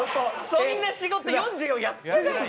そんな仕事４４歳やってない。